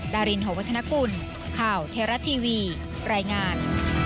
ดารินหอวัฒนกุลข่าวเทราะทีวีรายงาน